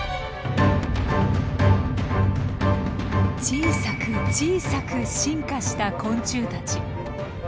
小さく小さく進化した昆虫たち。